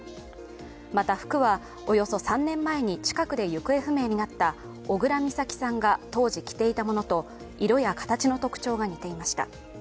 また服はおよそ３年前に近くで行方不明になった小倉美咲さんが当時着ていたものと色や形の特徴が似ていました。